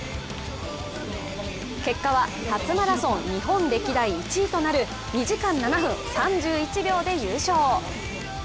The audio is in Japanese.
結果は初マラソン日本歴代１位となる、２時間７分３１秒で優勝。